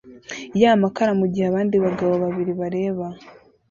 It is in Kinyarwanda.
yamakara mugihe abandi bagabo babiri bareba